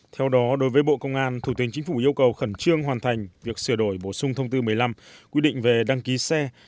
theo đó đối với bộ công an thủ tướng chính phủ yêu cầu khẩn trương hoàn thành việc sửa đổi bổ sung thông tư một mươi năm quy định về đăng ký xe